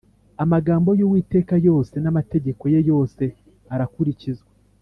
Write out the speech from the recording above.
amagambo y uwiteka yose n amategeko ye yose arakurikizwa